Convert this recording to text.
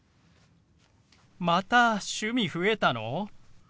また趣味増えたの！？